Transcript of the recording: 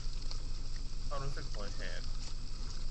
ความรู้สึกหวงแหน